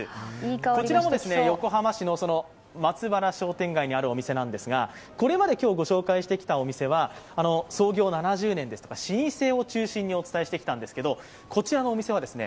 こちらも横浜市の松原商店街にあるお店なんですがこれまで今日ご紹介してきたお店は創業７０年ですとか老舗を中心にお伝えしてきたんですけどこちらのお店はですね